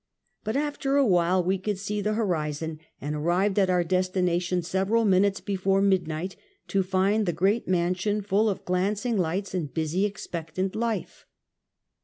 But after a while we could see the horizon, and arrived at our destination several minutes before midnight, to find the great mansion full of glancing lights and busy, expectant life.